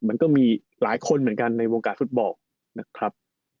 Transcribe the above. มันก็มีหลายคนเหมือนกันในวงการฟุตบอลนะครับ